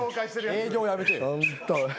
営業やめて。